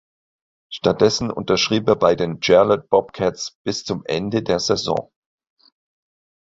Stattdessen unterschrieb er bei den Charlotte Bobcats bis zum Ende der Saison.